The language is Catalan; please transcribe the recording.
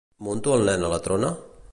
Munto el nen a la trona?